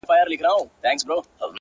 چي په دنيا کي محبت غواړمه!!